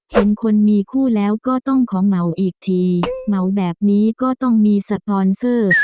เห็นคนมีคู่แล้วก็ต้องขอเหมาอีกทีเหมาแบบนี้ก็ต้องมีสปอนเซอร์